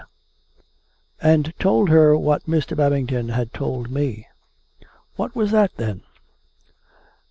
. and told her what Mr. Babington had told me." " What was that, then